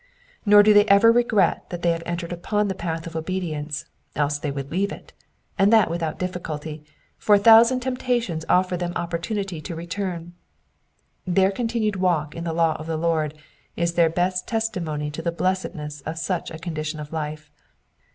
Nor do they ever regret that they have entered upon the path of obedience, else they would leave it, and that without diflSculty, for a thousand temptations offer them opportunity to return ; their continued walk in the law of the Lord is their best testimony to the blessedness of such a condition of life.